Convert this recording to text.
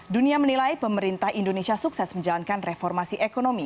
dunia menilai pemerintah indonesia sukses menjalankan reformasi ekonomi